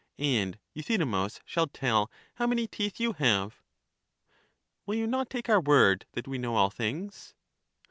and Euthydemus shall tell how many teeth you have. Will you not take our word that we know all things?